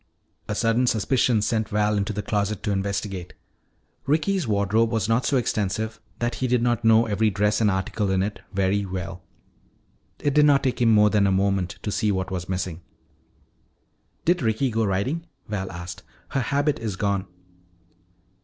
A sudden suspicion sent Val into the closet to investigate. Ricky's wardrobe was not so extensive that he did not know every dress and article in it very well. It did not take him more than a moment to see what was missing. "Did Ricky go riding?" Val asked. "Her habit is gone."